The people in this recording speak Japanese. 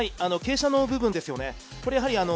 傾斜の部分ですよね。